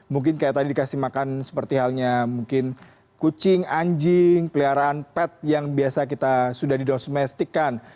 mungkin kayak tadi dikasih makan seperti halnya mungkin kucing anjing peliharaan pet yang biasa kita sudah didosmestikan